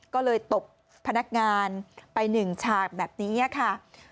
ก็เลยตบพนักงานไป๑ฉากแบบนี้ค่ะ